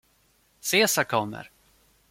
Cesar kommer!